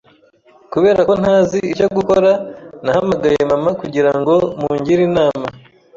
Kubera ko ntazi icyo gukora, nahamagaye mama kugira ngo mungire inama.